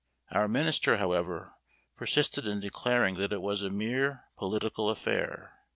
Our minister, however, persisted in declaring that it was a mere political affair.